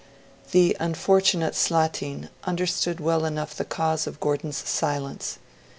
The unfortunate Slatin understood well enough the cause of Gordon's silence.